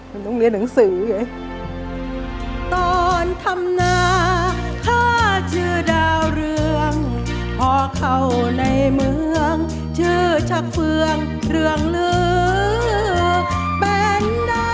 มันต้องเรียนหนังสือไง